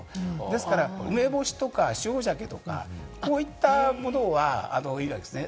ですから、梅干しとか塩鮭とか、こういったものは、いいわけですね。